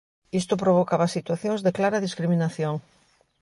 Isto provocaba situacións de clara discriminación.